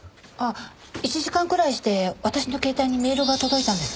１時間くらいして私の携帯にメールが届いたんです。